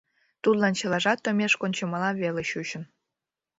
Тудлан чылажат омеш кончымыла веле чучын.